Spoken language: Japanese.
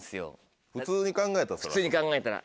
普通に考えたら。